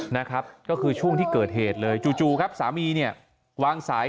นะครับก็คือช่วงที่เกิดเหตุเลยจู่ครับสามีเนี่ยวางสาย